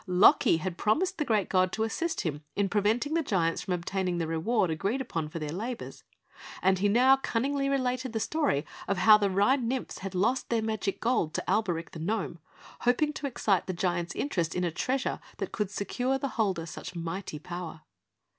Loki had promised the great god to assist him in preventing the giants from obtaining the reward agreed upon for their labours, and he now cunningly related the story of how the Rhine nymphs had lost their magic gold to Alberic the gnome, hoping to excite the giants' interest in a treasure that could secure the holder such mighty power.